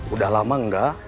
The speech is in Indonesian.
udah lama enggak